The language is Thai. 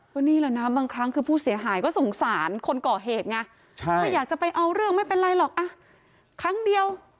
ก็เหมือนที่ร้านขายเนื้อไก่